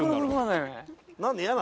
嫌なの？